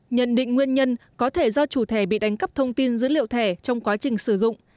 nhận định nguyên nhân có thể do chủ thẻ bị đánh cắp thông tin dữ liệu thẻ trong quá trình sử dụng